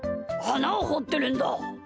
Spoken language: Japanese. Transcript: あなをほってるんだ。